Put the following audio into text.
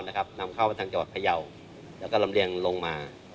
นำเข้ามาทางจังหวัดพยาวแล้วก็ลำเรียงลงมา